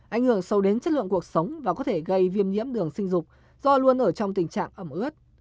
ảnh hưởng sâu đến chất lượng cuộc sống và có thể gây viêm nhiễm đường sinh dục do luôn ở trong tình trạng ẩm ướt